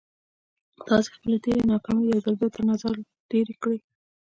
تاسې خپلې تېرې ناکامۍ يو ځل بيا تر نظر تېرې کړئ.